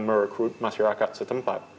merekrut masyarakat setempat